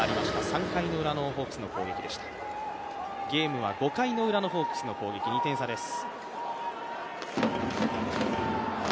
３回のウラのホークスの攻撃でしたゲームは５回のウラのホークスの攻撃、２点差です。